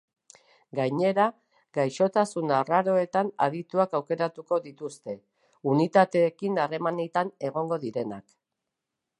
Gainera, gaixotasun arraroetan adituak aukeratuko dituzte, unitateekin harremanetan egongo direnak.